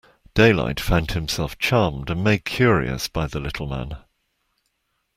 Daylight found himself charmed and made curious by the little man.